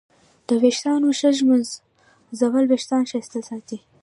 د ویښتانو ښه ږمنځول وېښتان ښایسته ساتي.